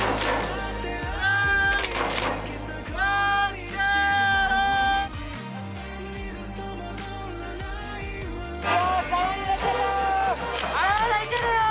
まだまだいけるよ。